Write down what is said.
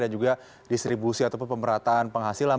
dan juga distribusi atau pemerataan penghasilan